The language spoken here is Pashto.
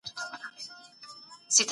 روښانه فکر درد نه جوړوي.